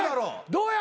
どうや？